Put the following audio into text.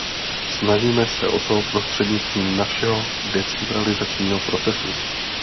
Snažíme se o to prostřednictvím našeho decentralizačního procesu.